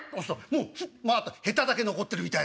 もうあとヘタだけ残ってるみたいなね。